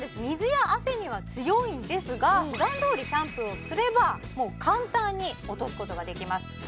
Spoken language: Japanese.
水や汗には強いんですがふだんどおりシャンプーをすればもう簡単に落とすことができます